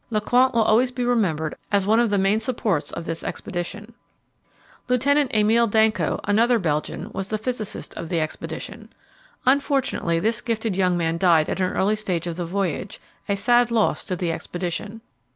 Lecointe will always be remembered as one of the main supports of this expedition. Lieutenant Emile Danco, another Belgian, was the physicist of the expedition. Unfortunately this gifted young man died at an early stage of the voyage a sad loss to the expedition.